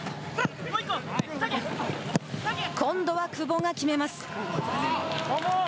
今度は久保が決めます。